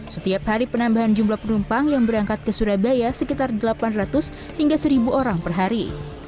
setiap hari penambahan jumlah penumpang yang berangkat ke surabaya sekitar delapan ratus hingga seribu orang per hari